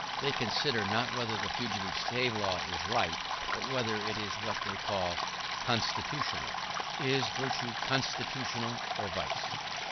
They consider, not whether the Fugitive Slave Law is right, but whether it is what they call constitutional. Is virtue constitutional, or vice?